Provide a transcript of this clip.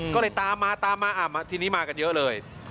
ก็เลยตามมาตามมาทีนี้มากันเยอะเลย